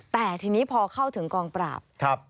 แต่ทีนี้พอเข้าถึงกองปราบ